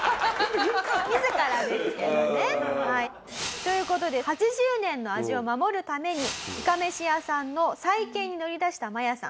自らですけどね。という事で８０年の味を守るためにいかめし屋さんの再建に乗り出したマヤさん。